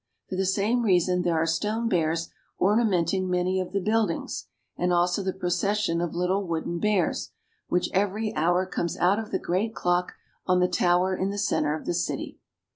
For the same reason there are stone bears ornamenting many of the buildings, and also the procession of little wooden bears, which every hour comes out of the great clock on FROM ULM TO VIENNA. 27 1 the tower in the center of the city.